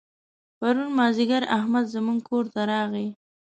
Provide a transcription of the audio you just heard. پرون مازدیګر احمد زموږ کور ته راغی.